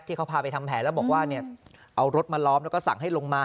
ที่เขาพาไปทำแผนแล้วบอกว่าเอารถมาล้อมแล้วก็สั่งให้ลงมา